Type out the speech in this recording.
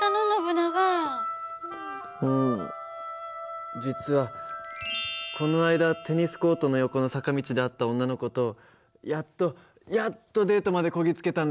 うん実はこの間テニスコートの横の坂道で会った女の子とやっとやっとデートまでこぎ着けたんだけど。